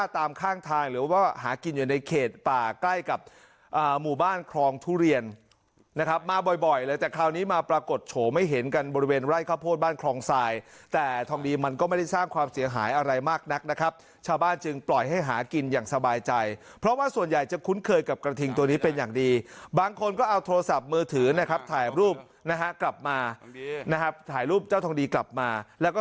แต่คราวนี้มาปรากฏโฉไม่เห็นกันบริเวณไล่ข้าวโพดบ้านครองทรายแต่ทองดีมันก็ไม่ได้สร้างความเสียหายอะไรมากนักนะครับชาวบ้านจึงปล่อยให้หากินอย่างสบายใจเพราะว่าส่วนใหญ่จะคุ้นเคยกับกระทิงตัวนี้เป็นอย่างดีบางคนก็เอาโทรศัพท์มือถือนะครับถ่ายรูปนะฮะกลับมานะครับถ่ายรูปเจ้าทองดีกลับมาแล้วก็